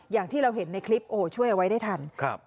อย่างที่เราเห็นในคลิปโอ้โหช่วยเอาไว้ได้ทัน